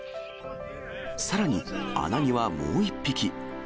さらに穴にはもう１匹。